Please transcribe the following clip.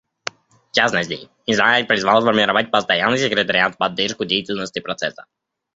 В частности, Израиль призвал сформировать постоянный секретариат в поддержку деятельности Процесса.